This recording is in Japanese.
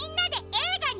えいがに？